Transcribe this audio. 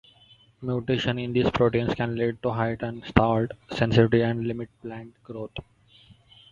Mutations in these proteins can lead to heightened salt sensitivity and limit plant growth.